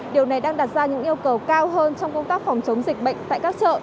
điều này đang đặt ra những yêu cầu cao hơn trong công tác phòng chống dịch bệnh tại các chợ